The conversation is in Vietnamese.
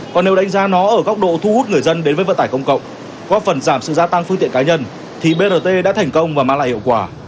còn nếu đánh giá nó ở góc độ thu hút người dân đến với vận tải công cộng góp phần giảm sự gia tăng phương tiện cá nhân thì brt đã thành công và mang lại hiệu quả